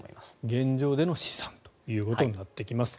現状での試算ということになってきます。